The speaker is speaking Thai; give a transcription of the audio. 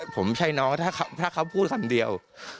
ผมใช่น้องถ้าเขาพูดคำเดียว